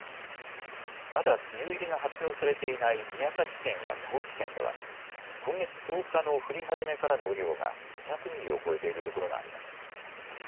まだ梅雨入りが発表されていない宮崎県や高知県では今月１０日の降り始めからの雨量が２００ミリを超えているところがあります。